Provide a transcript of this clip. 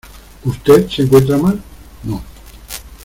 ¿ usted se encuentra mal? no.